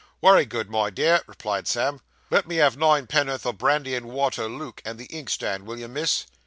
'Wery good, my dear,' replied Sam. 'Let me have nine penn'oth o' brandy and water luke, and the inkstand, will you, miss?